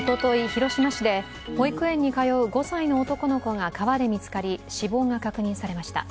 広島市で保育園に通う５歳の男の子が川で見つかり死亡が確認されました。